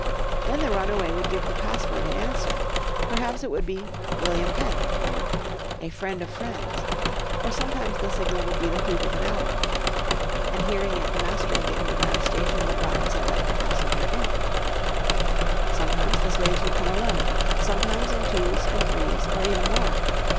Then the runaway would give the password in answer. Perhaps it would be "William Penn," or "a friend of friends," or sometimes the signal would be the hoot of an owl. And hearing it the master of the underground station would rise and let the "passenger" in. Sometimes the slavers would come alone, sometimes in twos and threes or even more.